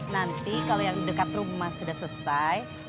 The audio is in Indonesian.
nanti kalau yang dekat rumah sudah selesai